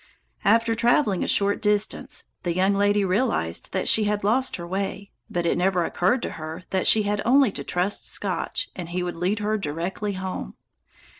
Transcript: After traveling a short distance, the young lady realized that she had lost her way, but it never occurred to her that she had only to trust Scotch and he would lead her directly home.